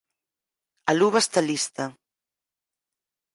A luva está lista.